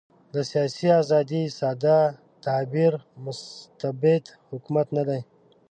د سیاسي آزادۍ ساده تعبیر مستبد حکومت نه دی.